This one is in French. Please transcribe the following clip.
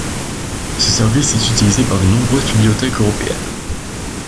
Ce service est utilisé par de nombreuses bibliothèques européennes.